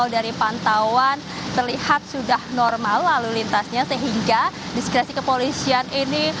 dari pantauan terlihat sudah normal lalu lintasnya sehingga diskresi kepolisian ini